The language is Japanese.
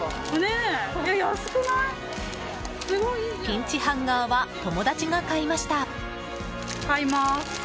ピンチハンガーは友達が買いました。